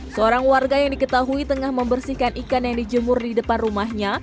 seorang warga yang diketahui tengah membersihkan ikan yang dijemur di depan rumahnya